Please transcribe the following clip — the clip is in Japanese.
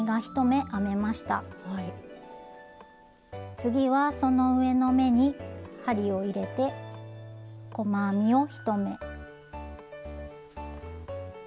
次はその上の目に針を入れて細編みを１目。